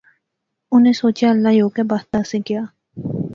انی سوچیا اللہ یو کہہ بخت دا اسیں کیا